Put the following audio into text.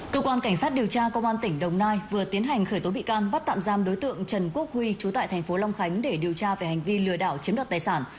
công an tp đồng nai vừa tiến hành khởi tố bị can bắt tạm giam đối tượng trần quốc huy chú tại tp long khánh để điều tra về hành vi lừa đảo chiếm đoạt tài sản